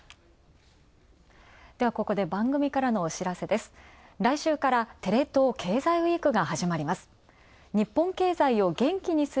では、ここで番組からのお知らせです。